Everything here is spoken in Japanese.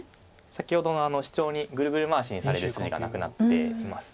先ほどのシチョウにグルグル回しにされる筋がなくなっています。